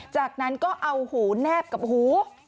จากนั้นก็เอาหูแนบกับหู